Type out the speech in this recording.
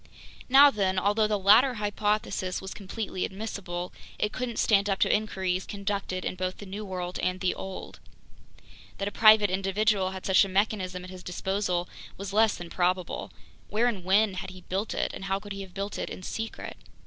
Now then, although the latter hypothesis was completely admissible, it couldn't stand up to inquiries conducted in both the New World and the Old. That a private individual had such a mechanism at his disposal was less than probable. Where and when had he built it, and how could he have built it in secret?